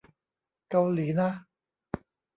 เกาหลีนะ